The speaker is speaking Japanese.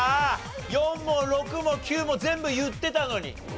４も６も９も全部言ってたのに。